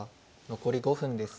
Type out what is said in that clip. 残り５分です。